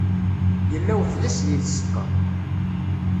Yella weḥd-s di tzeqqa.